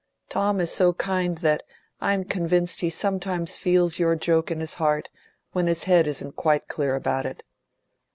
Tom is so kind that I'm convinced he sometimes feels your joke in his heart when his head isn't quite clear about it.